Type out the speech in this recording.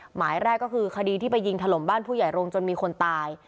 หมายแรกก็คือคดีที่ไปยิงถล่มบ้านผู้ใหญ่โรงจนมีคนตาย